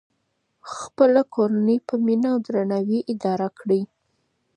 خپله کورنۍ په مینه او درناوي اداره کړئ.